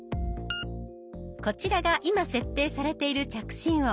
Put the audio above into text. こちらが今設定されている着信音。